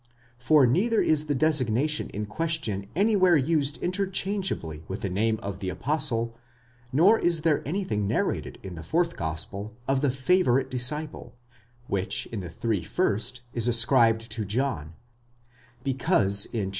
For neither is the designation in question anywhere used interchangeably with the name of the apostle, nor is there anything narrated in the fourth gospel of the favourite disciple, which in the three first is ascribed to John, Because in xxi.